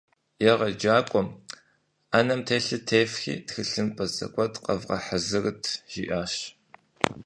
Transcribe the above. Егъэджакӏуэм «ӏэнэм телъыр тефхи, тхылъымпӏэ зэгуэт къэвгъэхьэзырыт» жиӏащ.